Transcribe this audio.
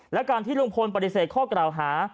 แล้วการที่ลุงพลปฤเสข้อกระเอาหา